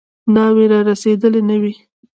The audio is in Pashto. ناوې رارسېدلې نه وي.